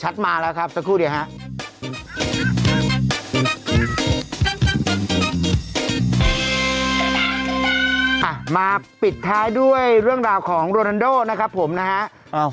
มาปิดท้ายด้วยเรื่องราวของโรนันโดนะครับผมนะฮะ